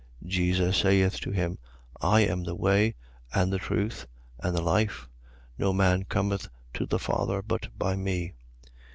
14:6. Jesus saith to him: I am the way, and the truth, and the life. No man cometh to the Father, but by me.